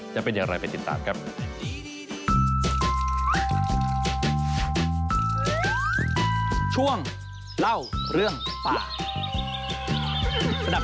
จะเป็นอย่างไรไปติดตามครับ